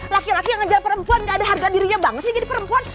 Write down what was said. laki laki yang ngejar perempuan gak ada harga dirinya bangsa jadi perempuan